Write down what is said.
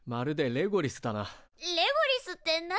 レゴリスって何？